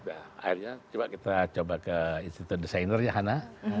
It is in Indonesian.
akhirnya coba kita coba ke institut desainernya hanna